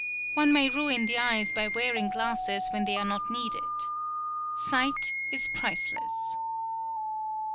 One may ruin the eyes by wearing glasses when they are not needed. Sight is priceless.